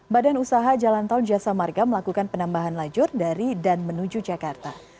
badan usaha jalan tol jasa marga melakukan penambahan lajur dari dan menuju jakarta